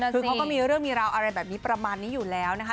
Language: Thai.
คือเขาก็มีเรื่องมีราวอะไรแบบนี้ประมาณนี้อยู่แล้วนะคะ